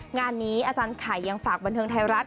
งานนี้อาจารย์ไข่ยังฝากบันเทิงไทยรัฐ